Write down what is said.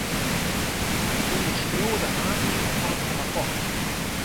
Wy ûnderskriuwe de haadlinen fan it rapport.